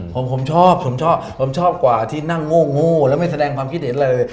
ผมชอบผมชอบผมชอบกว่าที่นั่งโง่แล้วไม่แสดงความคิดเห็นเลย